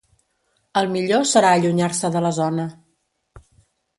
El millor serà allunyar-se de la zona.